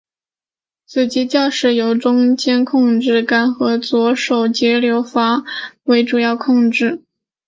此机驾驶由中间控制杆和左手节流阀为主要控制。